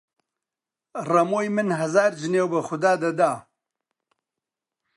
ڕەمۆی من هەزار جنێو بە خودا دەدا!